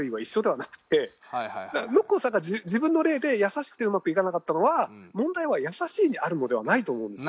だからノッコンさんが自分の例で優しくてうまくいかなかったのは問題は優しいにあるのではないと思うんですよ。